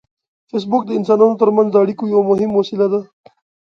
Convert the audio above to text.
فېسبوک د انسانانو ترمنځ د اړیکو یو مهم وسیله ده